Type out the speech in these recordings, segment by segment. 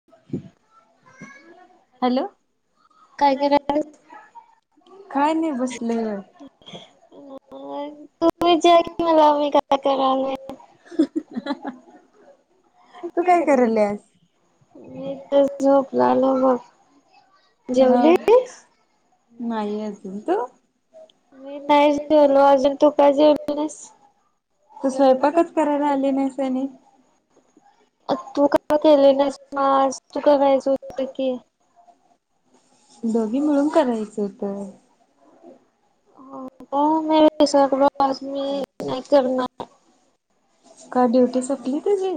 [unintelligible] काय करालिस [unintelligible] [inaudible] मला बी काय करालाय तू काय करालियास मी तर झोपलेलो बघ हा नाही अजून तू मी नाही जेवलो अजून तू का जेवली नाहीस तू स्वयंपाकच करायला आली नाहीस आणि तू का केली नाहीस मग आज तू करायचं होत की दोघी मिळून करायचं होत. [inaudible] आज मी नाही करणार का ड्युटी सपली तुझी,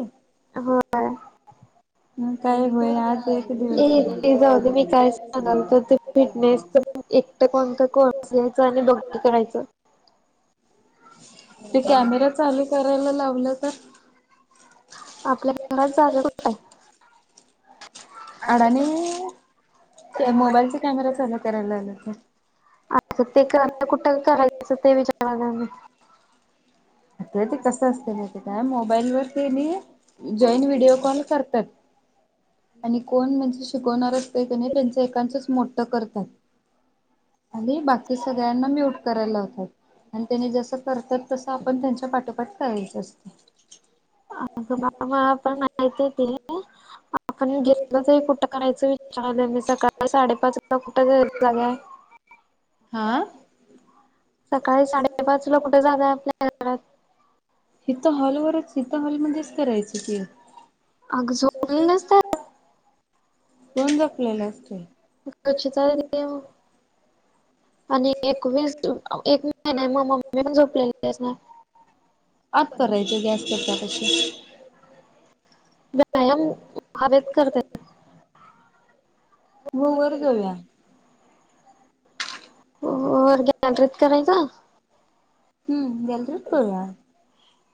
काय होईल आज एक दिवस नंतर ते फिटनेसच पण एकट कोणता कोर्स घ्यायच आणि बघ करायचं, ते कॅमेरा चालू करायला लावलं तर? आपल्या घरात जागा कुठं आहे, अडाणी मोबाईलचा कॅमेरा चालू करायला आलं नाही, असं ते कर कुठ करायचचं ते विचारालोय मी, अगं ते कसं असतं माहिती आहे काय मोबाईल वर त्यांनी जॉईन व्हडिओ कॉल करतात आणि कोण म्हणजे शिकवणारच ते कणी त्यांच एांचंच मोठं करत नाहीत. आणि बाकी सगळ्यांना म्यूट करायला लावतात आणि त्यानी जसं करतात तसं आपण त्यांच्या पाठोपाठ करायचं असतंय, अगं बाळ मला पण माहिती आहे ते आपण गेलो तरी कुठं करायचं विचारलं मी सकाळ साडेपाचला कुठं गेलतासा गं हा सकाळी साडेपाच ला कुठे जाणार आपल्या घरात हितं हॉल वरच हित हॉलमध्येचं करायचं कि गं दन द प्लन अस असतील आणि एकवीस एक महिन मग मम्मी पण झोपलेली आहे ना आज करायच गॅस करच्या तशी व्यायाम हवेत करते ग वर जाऊया हो वरगंत्रित करायच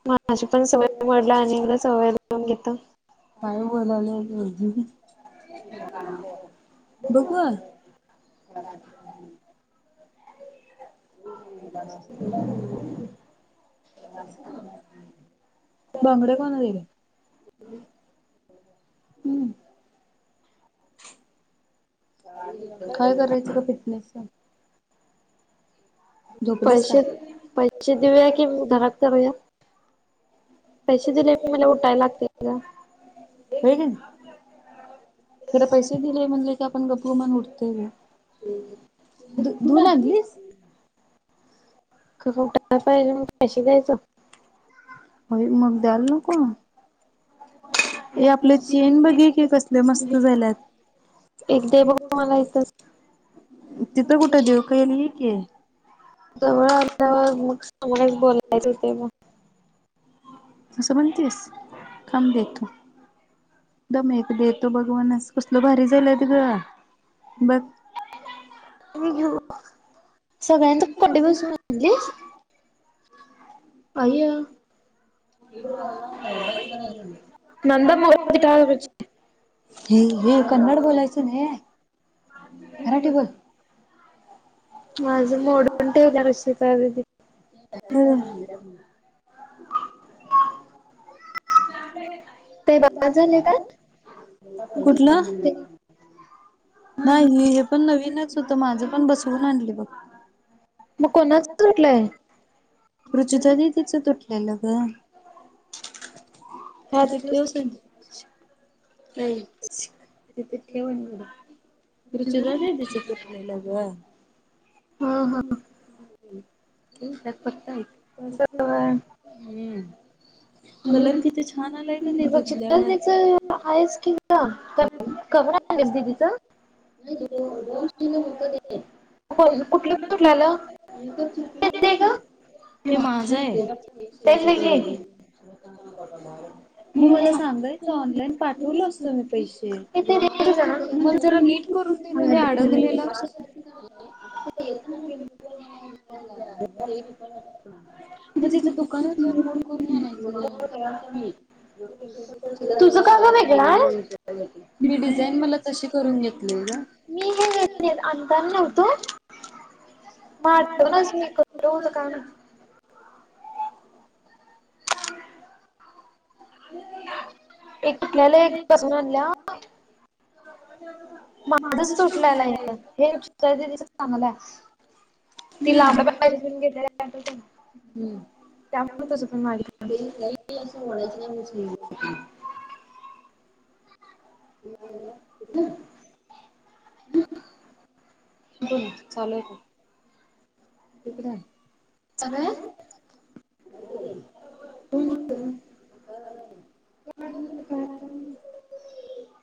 माझी पण सवय मोला आणि सवयून घेत काय बोलाल बघू अच्छा हो बांगडे कोणा देले हम्म [inaudible] काय करायचं का फिटनेस पैसे पैसे देऊया कि घरात करूया पैसे दिलय म्हटल्यावर उठाय लागतंय गं, होय कणी खर पैसे दिलय म्हणलं की आपण गपगुमान उठतोय गं धु धुवून आणलिस खर [inaudible] पाहिजे म्हणून पैश द्यायचं हो मग दलल कोण ते आपलं चेन बघे कि कसले मस्त झाल्यात एक दे बघ मला इथच जवळ ते मग सगच बोलायच होते मग अस म्हणतीस थांब, देतो. दम एक देतो बगवानस कसल भारी झालंय त ग, बघ घ सगळ्यां तर खंडे बस म्हणलीस [inaudible] आयया [inaudible] नंदा मरूदे की हे हे कन्नड बोलायचं न हे घे की ग माझं मोडून ठेवलंशी [inaudible] [inaudible] कुठलं नाही हे पण नवीनच होतं माझं पण बसवून आणले बघ कोणाच तुटलय रुचिता दीदी च् तुटलंय. [unintelligible] तिथे ठेव न येवढं रुचिता दीदी च तुटलेलं ग. हा हा पता हम् कलर किती छान आलाय का नाही धुतल्यावर. आहेस की का कवा आणलेस दीदीच? [inaudible] कुठलं कुठल्याला का [unintelligible] तेच की? मग मला सांगायचं ऑनलाईन पाठवल असतो मी पैसे मला जरा नीट करून देत हे अडकलेलं मग तिथं दुकानच मोड करून नाही तुझ तुझं काग वेगळं हायत? मी डिझाईन मला तशी करून घेतलीय ग मी हे अंतर नव्हतो [unintelligible] ह [unintelligible] [unintelligible] माझच तुटल्याला आहे हे दीदी च चांगलाय ती लांबड पा घेत त्यामुळे तुझ पण माझ नाही लय जवळच [unintelligible] [inaudible] पुनम चालूय का? [inaudible] चालुय [inaudible]